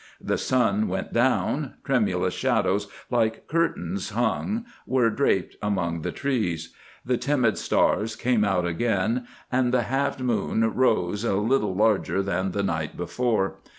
The sun went down; tremulous shadows, like curtains hung, were draped among the trees. The timid stars came out again and the halfed moon arose, a little larger than the night before.